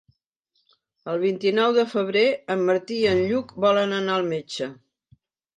El vint-i-nou de febrer en Martí i en Lluc volen anar al metge.